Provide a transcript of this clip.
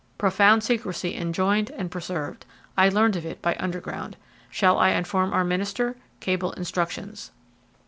Profound secrecy enjoined and preserved. I learned of it by underground. Shall I inform our minister? Cable instructions."